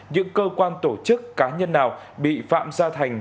những cơ quan tổ chức cá nhân nào bị phạm gia thành